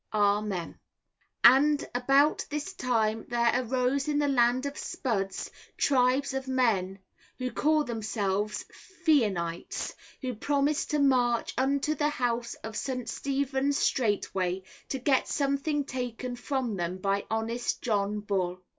Amen. And about this time there arose in the Land of Spuds tribes of men who call themselves Feenanites, who promised to march unto the house of St. Stephen's straightway, to get something taken from them by honest John Bull.